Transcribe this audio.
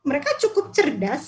mereka cukup cerdas